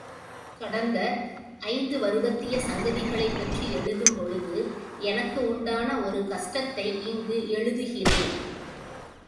கடந்த ஐந்து வருடத்திய சங்கதி களைப்பற்றி எழுதும்பொழுது, எனக்குண்டான ஒரு கஷ்டத்தை இங்கு எழுதுகிறேன்.